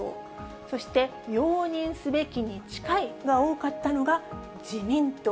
そして、容認すべきに近いが多かったのが、自民党。